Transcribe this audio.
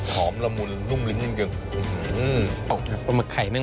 หอมละหมุนลุ่มริ้นจริง